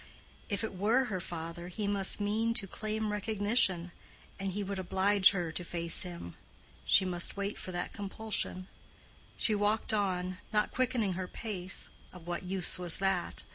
If it were her father he must mean to claim recognition, and he would oblige her to face him. She must wait for that compulsion. She walked on, not quickening her pace—of what use was that?